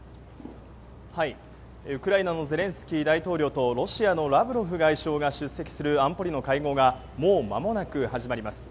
ウクライナのゼレンスキー大統領とロシアのラブロフ外相が出席する安保理の会合がもうまもなく始まります。